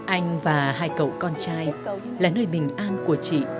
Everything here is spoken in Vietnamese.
anh và hai cậu con trai là nơi bình an của chị